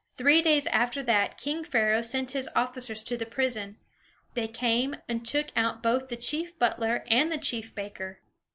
Three days after that, king Pharaoh sent his officers to the prison. They came and took out both the chief butler and the chief baker.